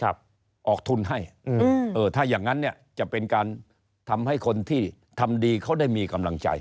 ออกทุนให้อืมเออถ้าอย่างงั้นเนี่ยจะเป็นการทำให้คนที่ทำดีเขาได้มีกำลังใจ